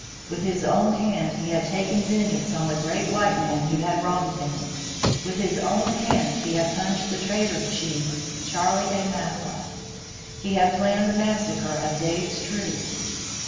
With his own hand he had taken vengeance on the great white man who had wronged him; with his own hand he had punished the traitor chief, Charley A. Mathla. He had planned the massacre of Dade's troops.